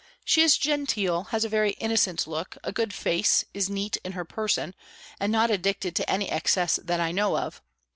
She is genteel, has a very innocent look, a good face, is neat in her person, and not addicted to any excess that I know of.